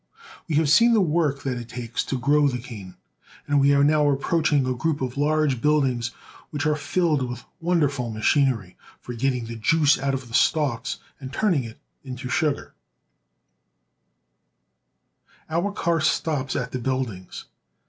We have seen the work that it takes to grow the cane, and we are now approaching a group of large buildings which are filled with wonderful machinery for getting the juice out of the stalks and turning it into sugar. Interior of Sugar Mill. Our car stops at the buildings.